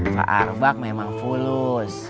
pak ardha memang fulus